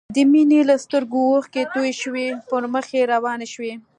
د مينې له سترګو اوښکې توې شوې او پر مخ يې روانې شوې